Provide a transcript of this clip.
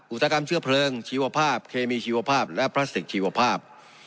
อุตสาหกรรมเชื้อเพลิงชีวภาพเคมีชีวภาพและพลาสติกชีวภาพ